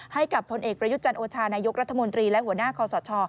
ให้กับผลเอกประยุทธ์จันโอชานายกรัฐมนตรีและหัวหน้าคอสช